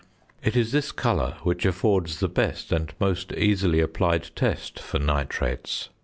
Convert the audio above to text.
It is this colour which affords the best and most easily applied test for nitrates.